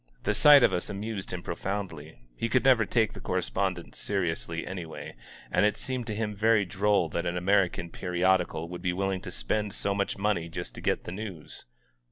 The sight of us amused him profoundly; he never could take the correspondents seriously, anyway, and it seemed to him very droll that an American periodical would be willing to spend so much money just to get the news.